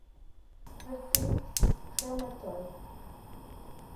Artrite Reumatoide